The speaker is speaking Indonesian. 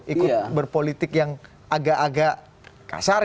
ikut berpolitik yang agak agak kasar